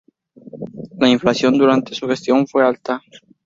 La inflación durante su gestión fue alta.